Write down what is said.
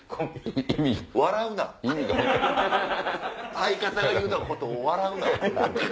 相方が言うたことを笑うな！